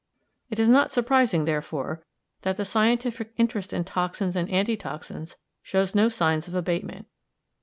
It is not surprising, therefore, that the scientific interest in toxins and anti toxins shows no signs of abatement.